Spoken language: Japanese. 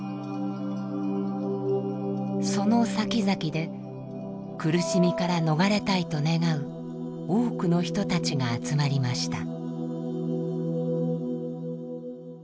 そのさきざきで苦しみから逃れたいと願う多くの人たちが集まりました。